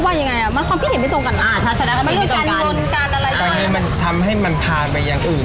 อันนี้ทางไฟ